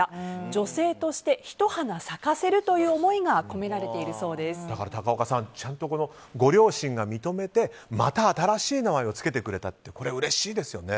女性として一花咲かせるというだから高岡さんちゃんとご両親が認めてまた新しい名前を付けてくれたってこれ、うれしいですよね。